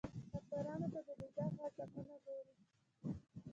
کافرانو ته د دوږخ عذابونه ګوري.